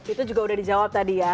itu juga udah dijawab tadi ya